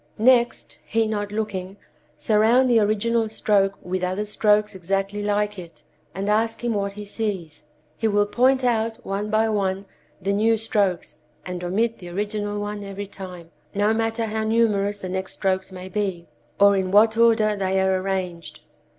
Next, he not looking, surround the original stroke with other strokes exactly like it, and ask him what he sees. He will point out one by one the new strokes and omit the original one every time, no matter how numerous the next strokes may be, or in what order they are arranged.